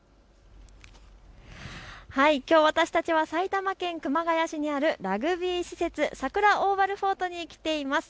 きょう私たちは埼玉県熊谷市にあるラグビー施設、さくらオーバルフォートに来ています。